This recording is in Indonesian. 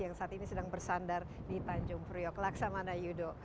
yang saat ini sedang bersandar di tanjung priok laksamana yudo